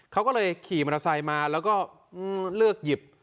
เขาก็เลยขี่มอเตอร์ไซค์มาแล้วก็เลือกหยิบ